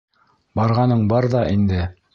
Барғаның бар ҙа инде.